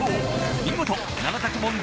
見事７択問題